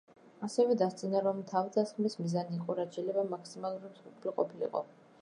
ასევე დასძინა, რომ თავდასხმის მიზანი იყო, რაც შეიძლება მაქსიმალური მსხვერპლი ყოფილიყო.